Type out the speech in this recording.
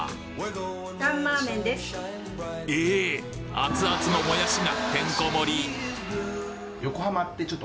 アツアツのもやしがてんこ盛り！